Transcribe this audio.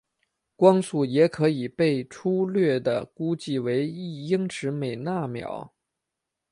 光速也可以被初略地估计为一英尺每纳秒。